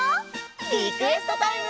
リクエストタイム！